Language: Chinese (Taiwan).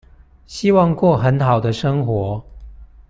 希望過很好的生活